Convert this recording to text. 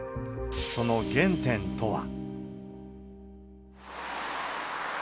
その原点とは。